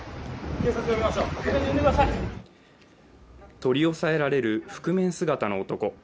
取り押さえられる覆面姿の男。